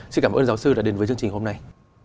xin cảm ơn giáo sư đã đến với chương trình hôm nay